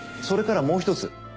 それからもう１つ。